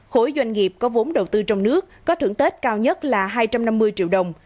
khối doanh nghiệp có vốn đầu tư trong nước có thưởng tết cao nhất là hai trăm năm mươi triệu đồng